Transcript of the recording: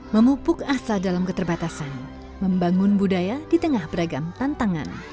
memupuk asal dalam keterbatasan membangun budaya di tengah beragam tantangan